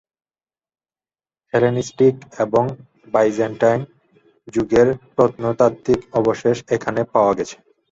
Hellenistic এবং Byzantine যুগের প্রত্নতাত্ত্বিক অবশেষ এখানে পাওয়া গেছে।